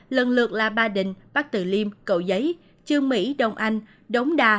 lần lượt là ba định bắc tử liêm cậu giấy chương mỹ đông anh đống đà